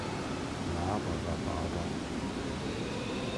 Laber Rhabarber!